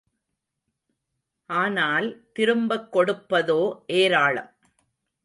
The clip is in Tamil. ஆனால் திரும்பக் கொடுப்பதோ ஏராளம்.